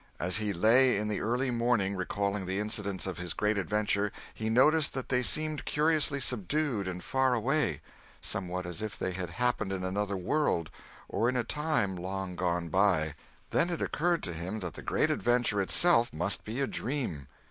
As he lay in the early morning recalling the incidents of his great adventure, he noticed that they seemed curiously subdued and far away—somewhat as if they had happened in another world, or in a time long gone by. Then it occurred to him that the great adventure itself must be a dream!